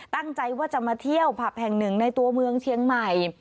ตั้งใจว่าจะมาเที่ยวผับแห่งหนึ่งในตัวเมืองเชียงใหม่